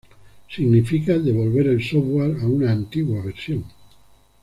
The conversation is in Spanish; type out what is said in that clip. Significa devolver el software a una antigua versión.